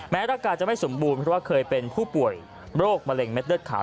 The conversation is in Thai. ร่างกายจะไม่สมบูรณ์เพราะว่าเคยเป็นผู้ป่วยโรคมะเร็ดเลือดขาว